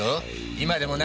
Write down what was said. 今でもな